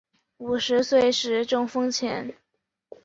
五十岁时中风前